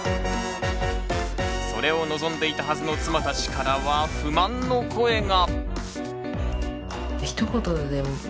それを望んでいたはずの妻たちからは不満の声が。